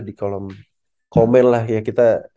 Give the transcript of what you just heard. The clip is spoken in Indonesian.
di kolom komen lah ya kita